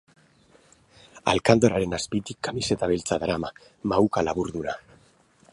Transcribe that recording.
Alkandoraren azpitik kamiseta beltza darama, mahuka laburduna.